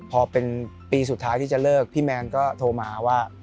พอเป็นปีสุดท้ายที่จะเลิกพี่แมนก็โทรมาว่า